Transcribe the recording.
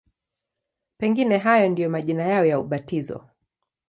Pengine hayo ndiyo majina yao ya ubatizo.